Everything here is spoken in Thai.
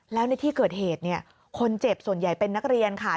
แล้วในที่เกิดเหตุเนี่ยคนเจ็บส่วนใหญ่เป็นนักเรียนค่ะ